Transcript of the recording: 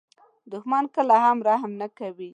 دښمن کله هم رحم نه کوي